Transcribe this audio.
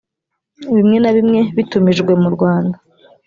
bimwe na bimwe bitumijwe murwanda